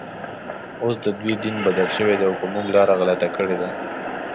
اوس ددوی دین بدل دی او که موږ لاره غلطه کړې ده.